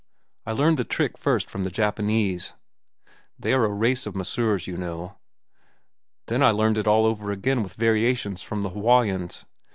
I learned the trick first from the Japanese. They are a race of masseurs, you know. Then I learned it all over again with variations from the Hawaiians.